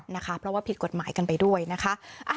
เพราะว่าผิดกฎหมายกันไปด้วยนะคะ